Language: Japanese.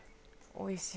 おいしい。